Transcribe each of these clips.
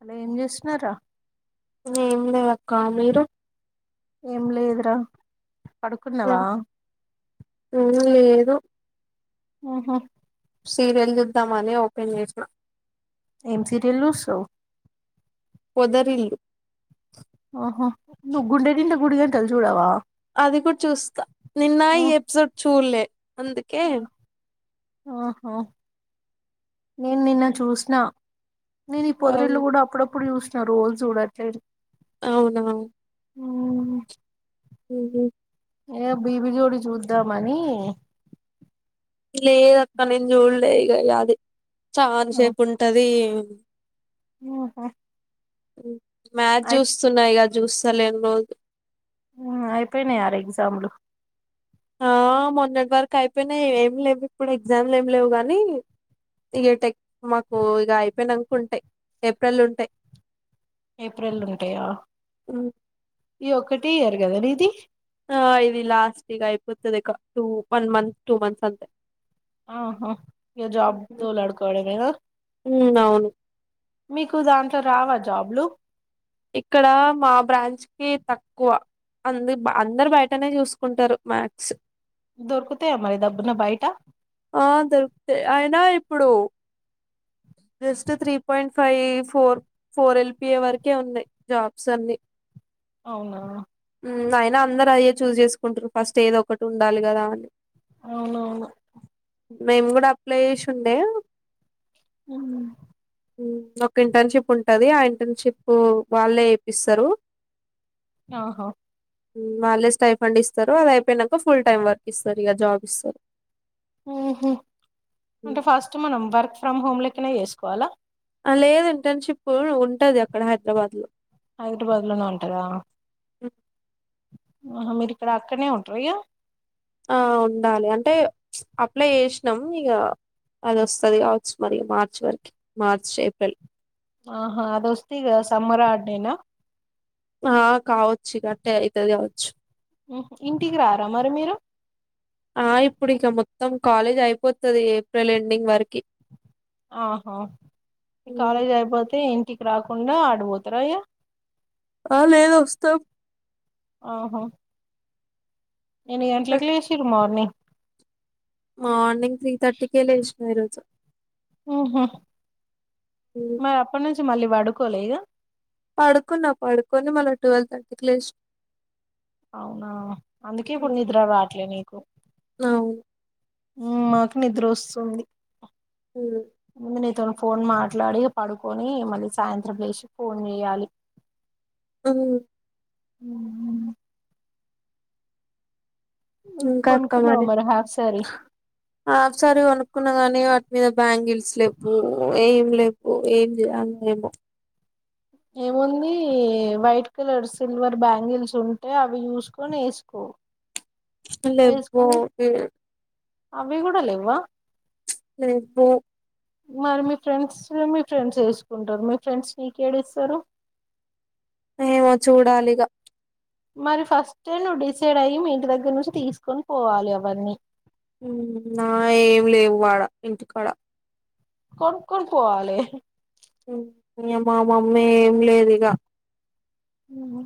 అలా ఏం చేస్తున్నారా ఏం లే అక్క మీరు ఏం లేదురా అ పడుకున్నావా లేదు ఎమి లేదు ఆహా సీరియల్ చూద్దామనే ఓపెన్ చేసిన ఏం సరియల్ సుస్తవు పోదర్ లి ఆహో నువ్వు గుండె నిండా గుడి గంటలు చూడవా అది కూడా చూస్తా నిన్న ఆ, ఈ ఎపిసోడ్ చూడ్ లే అందుకే ఆహా నేను నిన్న చూసిన నేను ఈ పొదరిళ్లు కూడా అప్పుడు అప్పుడు చూస్త్ కరూ వుల్ చూడట్లే లేదు అవునా హ ఉ ఏ బీబి జోడి చూద్దామని ఇ లేద అక్క నేనూ చూడ్ లే దే ఇగా గాదు చాన్ ఆ, సేపు ఉంటది అ ఆహా అఓ మ్యాచ్ అయి చూస్తున్నా ఇగ చూస్తలేం రోజు అయిపోయినాయి ఆరు ఎగ్జామ్లు ఆ మొన్నటి వరకు అయిపోయినాయి ఏం లేవు ఇప్పుడు ఎగ్జామ్లు ఏమి లేవు గానీ ఇగ టెక్ మాకు ఇగ అయిపోయినంక ఉంటాయి. ఏప్రిల్ ఉంటాయి. ఏప్రిల్లో ఉంటాయా ఈ ఒకటే ఇయరు కదా నీది ఆ ఇది లాస్ట్ ఇగ అయిపోతుంది ఇకా two one month two months అంతే ఆహా ఈ జాబ్ డోలాడుకోవడమేనా ఉమ్ అవును మీకు దాంట్లో రావా జాబ్లు ఇక్కడ మా బ్రాంచ్ కి తక్కువ అందరు అందరు బయటనే చూసుకుంటారు మాక్స్ దొరుకుతయా మరి దబ్బున బయట ఆ దొరుకుతాయి అయినా ఇప్పుడు just three point five four four LPA వరకే ఉన్నాయి. జాబ్స్ అన్ని అవునా అయినా అందరు అయే చూజ్ చేసుకుంటురు ఫస్ట్ ఏదొ ఒకటి ఉండాలి కదా అని అవునవును మేము కూడా అప్లై చేసి ఉండే ఆ ఒక ఇంటర్న్షిప్ ఉంటది. ఆ ఇంటర్న్షిప్ వాళ్ళే ఇప్పిస్తారు ఆహ వాళ్ళే స్టై ఫండ్ ఇస్తారు అయిపోయినాక ఫుల్ టైమ్ వర్క్ ఇస్తారు ఇగ జాబ్ ఇస్తారు. అహ అంటే ఫస్ట్ మనం వర్క్ ఫ్రమ్ హోమ్ లెక్కనే చేసుకోవాలా లేదు ఇంటర్న్షిప్ ఉంటది అక్కడ హైదరాబాద్ లో హైదరాబాద్ లోనే ఉంటాదా ఓ ఆహ మీరిక్కడ అక్కడనే ఉంటరా ఇగ ఆ ఉండాలి అంటే అప్లై చేసినాం ఇగ అది వస్తుంది కావచ్చు మరి మార్చ్ వరకి మార్చ్ ఏప్రిల్ ఆహా అదోస్తే ఇగ సమ్మర్ అడ్డేనా ఆ కావచ్చు గట్టే అయితది కావచ్చు ఇంటికి రారా మరి మీరు ఆ ఇప్పుడు ఇక మొత్తం కాలేజీ అయిపోతది ఏప్రిల్ ఎండింగ్ వరకి ఆహా ఈ కాలేజ్ అయిపోతే ఇ ఇంటికి రాకుండా ఆడికిపోతారా ఇగ ఆ లేదు వస్తాం ఓహో ఎన్ని గంటలకి లేసిరు మార్నింగ్? మార్నింగ్ త్రీ థర్టీకే లేసినా ఈ రోజు ఓహో మరి అప్పటి నుంచి మళ్ళీ పడు కోలెదా పడుకున్నా పడుకొని మల్లా ట్వెల్వ్ థర్టీకి లేసినా అవునా అందుకే కొన్ని నిద్ర రాట్లే నీకు అవును నాకు నిద్ర వస్తుంది అందునే నీతో ఫోన్ మాట్లాడి పడుకొని మళ్ళీ సాయంత్రం లేసి ఫోన్ చేయాలి ఊ ఉ ఉ ఇంకా అక్క కొనుక్కున్నావా మరి హాఫ్ సారీ హాఫ్ సారీ కొనుక్కున్నా గాని మీద బ్యాంగిల్స్ లేవు ఏం లేవు ఏం చేయాల ఏమో ఏముంది వైట్ కలర్ సిల్వర్ బ్యాంగిల్స్ ఉంటే అవి చూసుకొని వేసుకోవు లేవో [unintelligible] అవి కూడా లేవా రే పో మరి మీ ఫ్రెండ్స్ మీ ఫ్రెండ్స్ వేసుకుంటారు మీ ఫ్రెండ్స్ నీకేం ఇస్తారు? ఏమో చూడాలిగా. మరి ఫస్ట్ నువ్వు డిసైడ్ అయి మీ ఇంటి దగ్గర నుంచి తీసుకొని పోవాలి అవన్నీ ఉ నా ఏమి లేవు వాడ ఇంటికాడ కొనుక్కొని పోవాలి ఇ మా మమ్మీ ఏం లేదు ఇగ ఉహ్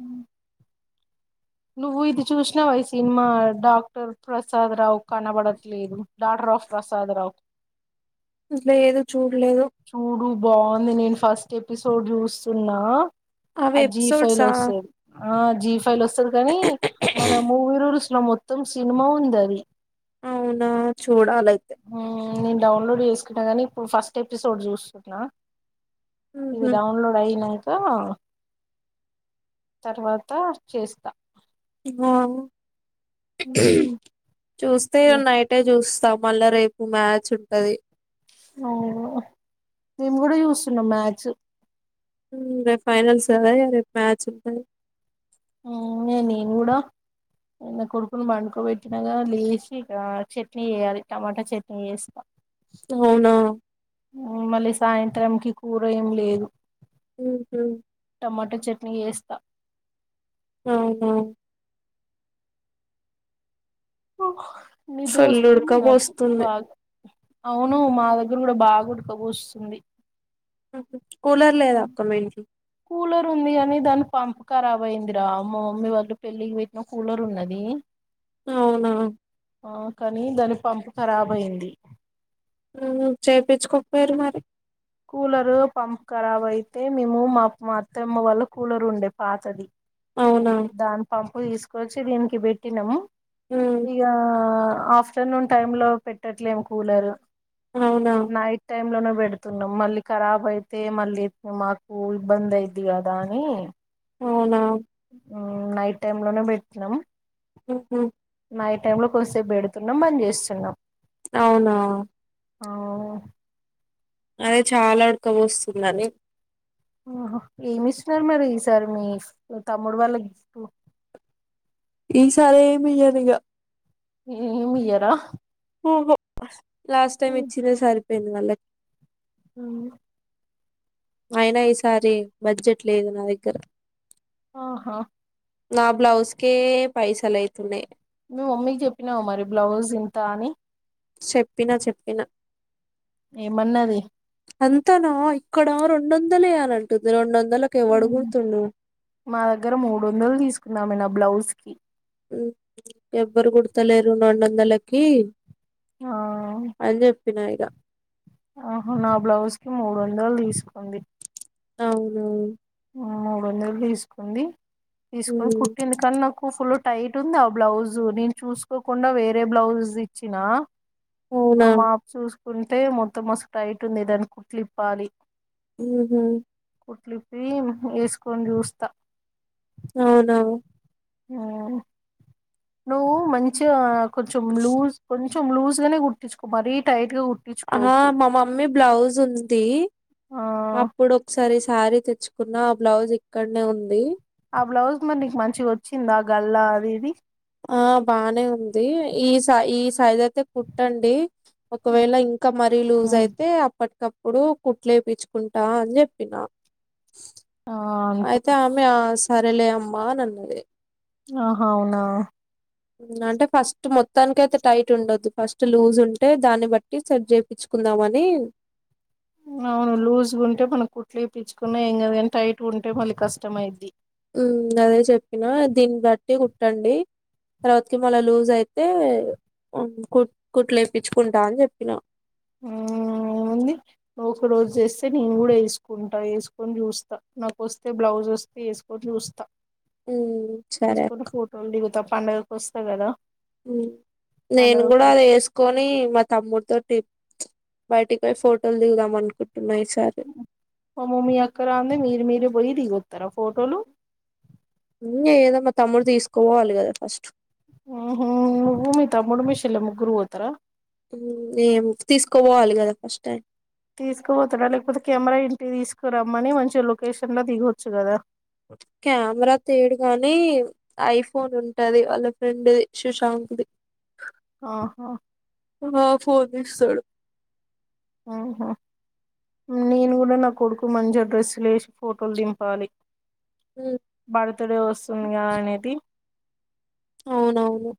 నువ్వు ఇది చూసినావ ఈ సినిమా డాక్టర్ ప్రసాద్ రావు కనబడట్లేదు డాటర్ ఆఫ్ ప్రసాద్ రావు లేదు చూ చూడలేదు చూడు బాగుంది నేను ఫస్ట్ ఎపిసోడ్ చూస్తున్నా ఆ అవి జీ ఎపిసోడ్స్ ఫైల్ వస్తది ఆ జీప్ ఫై లో వస్తది కానీ మన మూవీరూల్స్ మొత్తం సినిమా ఉంది అది అవునా చూడ డాల అయితే మ్మ్ నేను డౌన్లోడ్ చేసుకుంటా కానీ ఇప్పుడు ఫస్ట్ ఎపిసోడ్ చూస్తున్నా ఇవి హుహు. డౌన్లోడ్ అయినంక ఆ తర్వాత చేస్తా ఆ మ్మ్. చూస్తే ఏ నైటే చూస్త మల్ల రేపు మ్యాచ్ ఉంటది అవును మేము కూడా చూస్తున్నాం మ్యాచ్ ఉ రేపు ఫైనల్స్ కదా మ్యాచ్ ఉంటది ఆ నేను కూడా నా కొడుకుని పండుకోబెట్టినగా లేసి ఇక్కడ చట్నీ చెయ్యాలి టమాటా చట్నీ చేస్తా అవునా! మళ్ళీ సాయంత్రంకి కూర ఏం లేదు హుహ్ హు టమట చట్నీ చేస్తా ఆహా ఓహ నిద్ర ఫుల్ వస్తుంది నాకు ఉడకపోస్తుంది బాగా అవును మా దగ్గర కూడా బాగా ఉడుకబోస్తుంది [unintelligible] కూలర్ లేదక్కా మీ ఇంట్లో కూలర్ ఉంది కాని దాని పంప్ ఖరాబ్ అయ్యిందిరా మా మమ్మీ వాళ్ళు పెళ్ళికి పెట్టిన కూలర్ ఉన్నది అవునా ఆ కానీ దాని పంప్ ఖరాబ్ అయ్యింది ఊ చేపిచ్చుకోకపోయిరి మరి కూలరు పంప్ ఖరాబ్ ఐతే మేము మా మా ఆత్తమ్మ వాళ్ళ కూలరుండే పాతది అవునా దాని పం పున్ తీసుకొచ్చి దీనికి పెట్టినం ఉమ్, ఇగా ఆఫ్టర్నూన్ టైం లో పెట్టట్లేము కూలరు అవునా నైట్ టైం లోనో తున్నం మళ్ళీ కరాబ్ అయితే మళ్ళీ మాకు ఇబ్బంది అయిద్ది కదా అని అవునా ఊ నైట్ టైం లోనే పెట్నం ఊహూ నైట్ టైం లో కొంసేపు పెడుతున్నం బంద్ చేస్తున్నం అవునా ఆ అదే చాలా ఉడక వస్తుందని ఆహ ఏమి ఇస్తున్నారు మరి ఈసారి మీ తమ్ముడు వాళ్ళకి గిఫ్ట్ ఈ సారా ఏమియ్యనింక ఏమ్ మీయరా ఓహో లాస్ట్ టైమ్ ఇచ్చిన సరికి మళ్లె అ అయినా ఈసారి బడ్జెట్ లేదు నా దగ్గర ఆహా నా బ్లౌస్ కే పైసలైతున్నాయ్ మమ్మీకి చెప్పినావా మరి బ్లౌజ్ ఇంత అని చెప్పినా చెప్పినా ఏ మన్నది అంతనా ఇక్కడ రెండు వందలే అని అంటుంది రెండు వందలు మా దగ్గర మూడు వందలు తీసుకున్నామ బ్లాౌజ్ కి ఉమ్ ఎవరు కుడుతలేరు రెండొ వందలకి అన్న చెప్ పిన్నా ఇగా ఆహ నా బ్లౌజ్ కి మూడు వందలు తీసుకుంది అవునవును ఉమ్ మూడు వందలు తీసుకుంది తీసుకొని ఉమ్, కుట్టింది కానీ నాకు ఫుల్ టైట్ ఉంది ఆ బ్లౌజు నేను చూసుకోకుండా వేరే బ్లౌజ్ ఇచ్చినా అ అవునా మా అఫ చూసు కుంటే మొత్తం మస్తు టైట్ ఉంది దాని కుట్లిప్పాలి ఉహుమ్ కుట్లు రీమ్ వేసుకొని చూస్తా అవునా ఆ నువ్వు మంచిగా కొంచం లూస్ కొంచ కొంచం లూస్‌గానే కుట్టించుకో మరి టైట్ గా ఆ కుట్టించుకోకు మా మమ్మీ బ్లౌజ్ ఉం ది ఆ అప్పుడు ఒకసారి సారి తెచ్చుకో కున్న ఆ బ్లౌజ్ ఇక్కడనే ఉంది ఆ బ్లౌజ్ మరి నీకు మంచిగా వచ్చిందా గల్ అది ఇది ఆ బానే ఉంది ఈ స ఈ సైజ అయితే కుట్టండి ఒకవేళ ఇం కా మరీ లజ్ అయితే అప్పటిక అప్ప ప్పుడు కుట్లేయిచ్చుకుంటా అని చెప్పినా ఆ అంతే అయితే అమె అస్ కరలే అమ్మ నన్నది అహా అవునా ఉమ్ అంటే ఫస్ట్ మొత్తానినికి అయితే టైట్ ఉండొద్దు ఫస్ట్ లూజ్ ఉంటే దాన్ని బట్టి సెట్ చేయించుకుందామని అవును లూజ్గా ఉంటే మనం కుట్లు వయిించుకున్నా ఏం కదని టైట్గా ఉంటే మళ్ళీ కష్టమైద్ది అదే చెప్పినా దీన్ని బట్టి కుట్టండి తర్వాతకి మళా లూజ్ అయితే ఉ కుట్ కుట్లు వయిించుకుంటా అని చెప్పినా ఆ ఏముంది ఒక రోజు చేస్తే నేను కూడా వేసుకుంటా వేసుకొని చూస్తా నాకుొస్తే బ్లౌజ్ వస్తే వేసుకొని చూస్తా ఉమ్ సరే అక్ పండుగకి వస్తా కదా ఉమ్ నేను పండగకి కూడా అది వచ్చి వేసుకొని మా తమ్ముడి తోటి బయటికి పోయి ఫోటోలు దిగుదాం అనుకుం మ మమ్మీ అక్కరా అంద మీర మీర పోయ దిగోధు తర ఫోటోలు ఇగా ఏదో మాతమ్ముడు తీసుకోవాలి కదా ఫస్ట్ ఉహు నువ్వు మీ తమ్ముడు మీ చెల్లి ముగ్గురు పోతారా ఏం తీసుకోపోవాలి కదా ఫస్ట్ టైం తీసుకుపోతడా లేకపోతే కెమెరా ఇంటి తీసుకురమ్మని మంచి లొకేషన్ లా దిగొచ్చు కదా కెమెరా తేడుగాని ఐఫోన్ ఉంటది వాళ్ళ ఫ్రెండ్ది సుశాంకు ది ఆహా ఆ ఫోన్ ఇస్తడు ఆహా నేను కూడా నా కొడుకు మంచి అడ్రస్సు లేసి ఫోటోలు దింపాలి హు బర్త్డే వస్తుందిగా అనేది అవునవును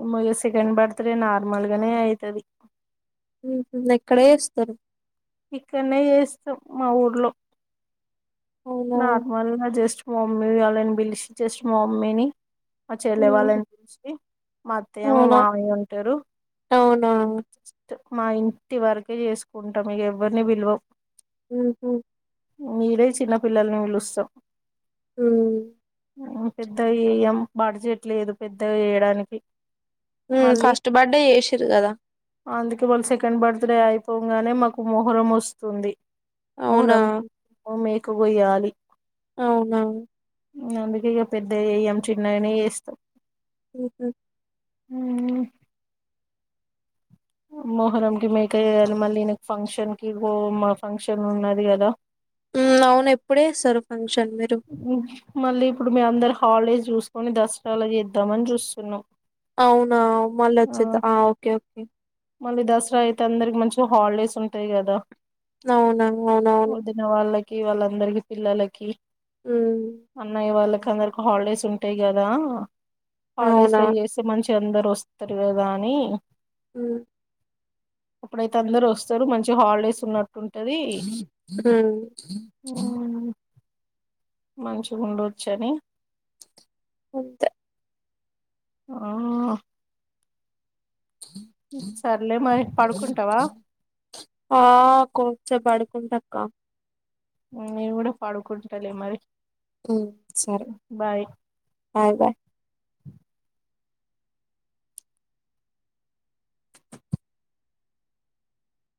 అమ్మో ఇగా సెకండ్ బర్తడే నార్మల్గానే అయితది ఉహు ఎక్కడే చేస్తారు ఇక్కనే చేస్తాం మా ఊర్లో అవునా నార్మల్ నా జస్ట్ మమ్మీ వళ్ళని పిలిచి జస్ట్ మా మమ్మీని మా చెల్లె ఉమ్ వాళ్ళని పిలిచి మా అవునా అత్తయ్యమామయ్య ఉంటారు అవునా జస్ట్ మా ఇంటి వరకే చేసుకుంటాం ఇగ ఎవ్వరిని పిలువం ఉహు ఈడే చిన్నపిల్లల్ని పిలుస్తాం హు హు పెద్దగా చెయ్యం బడ్జెట్ లేదు పెద్దగా చేయడానికి హు మళ్ళీ ఫస్ట్ బర్త్డే చేసిలు చేసిరు కదా అందుకే మల్ల సెకండ్ బర్త్ డే అయిపోగానే మాకు మోహరం వస్తుంది అవునా మొహరం మే కొయ్యాలి అవునా అందుకే ఇక పెద్దవి చేయం చిన్నగానే చేస్తాం ఉహు అవునా మొహరం కి మేక చేయాలి మళ్లీ ఈయనకు ఫంక్షన్ కి ఓ అమ్మ ఫంక్షన్ ఉన్నది కదా అవును ఎప్పుడు చేస్తారు ఫంక్ష మళ్ళీ ఇప్పుడు మీ అందర హాలిడేస్ చూసుకొని దసరా లా చేద్దామని చూస్తున్నాం అవునా మళ్ళీ ఆ వచ్చేదా ఓకే ఓకే మళ్ళీ దసరా అయితే అందరికి మంచి హాలిడేస్ ఉంటాయి కదా అవునా అవునవును కి వాళ్ళందరికి పిల్లలకి ఉమ్ అన్నయ్య వాళ్ళకి అందరికి హాలిడేస్ ఉంటాయి కదా హాలిడేస్ అవునా లో చేేస్తే మంచిగ అందరు వస్త త్ రు కదాని మ్మ్ అప్పుడైతే అందరు వస్తారు మంచిగా హాలిడేస్ ఉన్నట్ ఊ మంచి ఉండొచ్చుని అంతే అవునా సర్లే మరి పడుకుంటావా ఆ కొంచెపు పడుకుంట కుక్క నేను కూడా పడుకుంటలే మరి సరే బాయ్ బాయ్ బాయ్